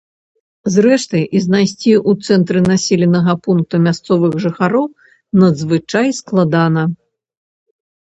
Зрэшты, і знайсці ў цэнтры населенага пункта мясцовых жыхароў надзвычай складана.